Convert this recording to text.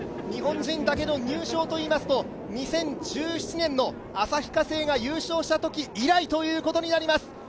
日本人だけの入賞といいますと、２０１７年の旭化成が優勝したとき以来ということになります。